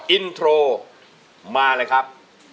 อินโทรมาเลยครับ